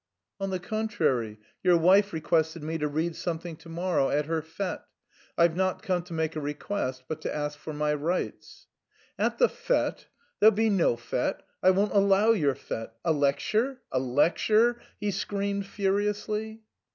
"On the contrary, your wife requested me to read something to morrow at her fête. I've not come to make a request but to ask for my rights...." "At the fête? There'll be no fête. I won't allow your fête. A lecture? A lecture?" he screamed furiously.